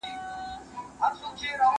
سازمانونه به خلګو ته ازادي ورکړي.